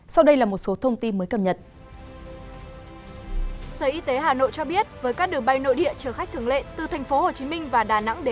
sau đây là một số thông tin mới cập nhật